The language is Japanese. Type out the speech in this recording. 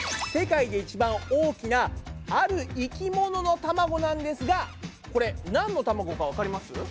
世界で一番大きなある生き物の卵なんですがこれなんの卵かわかります？